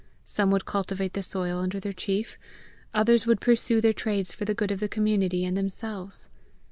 Some would cultivate the soil under their chief; others would pursue their trades for the good of the community and themselves!